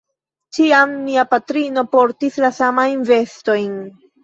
Ĉiam mia patrino portis la samajn vestojn.